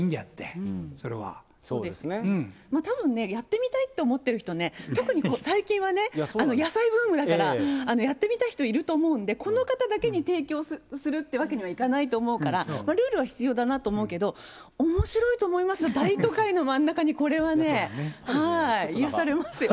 これ、たぶんね、やってみたいって思ってる人はね、特に最近はね、野菜ブームだから、やってみたい人、いると思うんで、この方だけに提供するっていうわけにはいかないと思うから、ルールは必要だなって思うけど、おもしろいと思いますよ、大都会の真ん中にこれはね。癒やされますよ。